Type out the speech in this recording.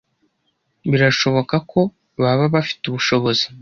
Birashoboka ko baba bafite ubushobozi